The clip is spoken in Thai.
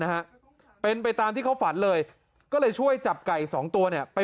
นะฮะเป็นไปตามที่เขาฝันเลยก็เลยช่วยจับไก่สองตัวเนี่ยไป